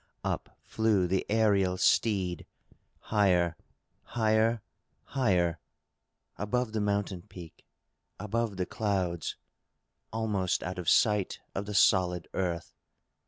Up flew the aërial steed, higher, higher, higher, above the mountain peak, above the clouds, and almost out of sight of the solid earth.